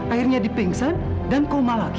airnya dipingsan dan koma lagi